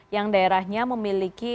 yang daerahnya memiliki